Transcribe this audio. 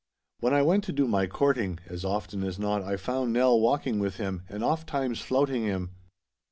When I went to do my courting, as often as not I found Nell walking with him, and ofttimes flouting him.